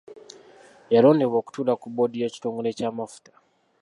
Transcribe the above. Yalondebwa okutuula ku bboodi y’ekitongole ky’amafuta.